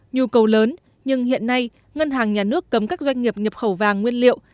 nhu cầu lớn nhưng hiện nay ngân hàng nhà nước cấm các doanh nghiệp nhập khẩu vàng nguyên liệu